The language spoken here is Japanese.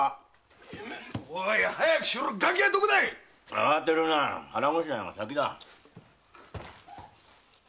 ⁉あわてるな腹ごしらえが先だ。